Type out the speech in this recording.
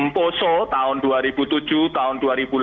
poso tahun dua ribu tujuh tahun dua ribu delapan